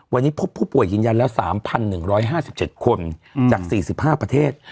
วันนี้พบผู้ป่วยยืนยันแล้ว๓๑๕๗คนจาก๔๕ประเทศ